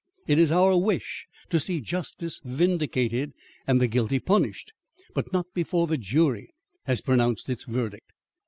It is our wish to see justice vindicated and the guilty punished; but not before the jury has pronounced its verdict."